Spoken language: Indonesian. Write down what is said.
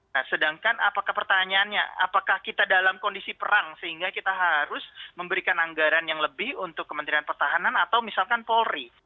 nah sedangkan apakah pertanyaannya apakah kita dalam kondisi perang sehingga kita harus memberikan anggaran yang lebih untuk kementerian pertahanan atau misalkan polri